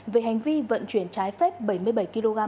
về hành vi vận chuyển trái phép bảy mươi bảy kg